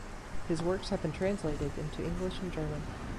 His works have been translated into English and German.